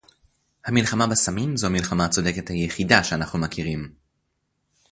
המלחמה בסמים זו המלחמה הצודקת היחידה שאנחנו מכירים